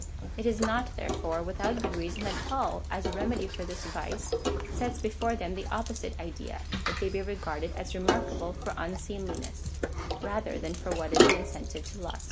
It is not, therefore, without good reason that Paul, as a remedy for this vice, sets before them the opposite idea — that they be regarded as remarkable for unseemliness, rather than for what is an incentive to lust.